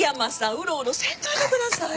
うろうろせんといてください。